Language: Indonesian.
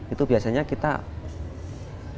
itu biasanya kita harus membenarkan dengan berat